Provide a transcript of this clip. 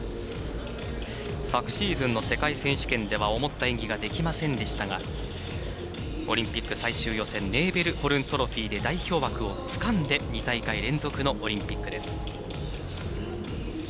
昨シーズン世界選手権では思った演技ができませんでしたがオリンピック最終予選ネーベルホルントロフィーで代表枠をつかんで２大会連続のオリンピックです。